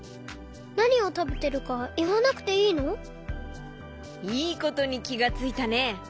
なにをたべてるかいわなくていいの？いいことにきがついたね！